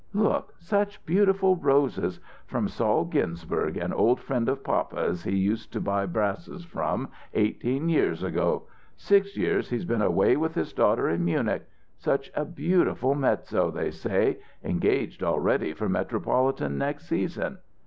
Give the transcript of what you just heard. "Look such beautiful roses! From Sol Ginsberg, an old friend of papa's he used to buy brasses from eighteen years ago. Six years he's been away with his daughter in Munich. Such a beautiful mezzo, they say, engaged already for Metropolitan next season."